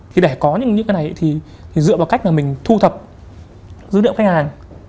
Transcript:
thì để có những cái này thì dựa vào cách là mình thu thập dữ liệu khách hàng